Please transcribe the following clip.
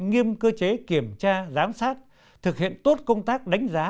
nghiêm cơ chế kiểm tra giám sát thực hiện tốt công tác đánh giá